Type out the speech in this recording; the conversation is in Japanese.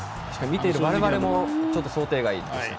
見ている我々も想定外でした。